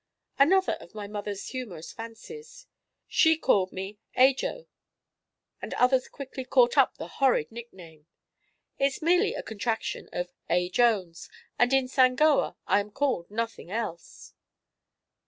"Another of my mother's humorous fancies. She called me 'Ajo,' and others quickly caught up the horrid nickname. It is merely a contraction of A. Jones, and in Sangoa I am called nothing else."